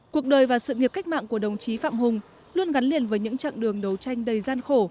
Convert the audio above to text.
cuộc đời và sự nghiệp cách mạng của đồng chí phạm hùng luôn gắn liền với những chặng đường đấu tranh đầy gian khổ